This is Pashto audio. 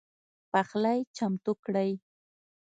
پخلی چمتو کړئ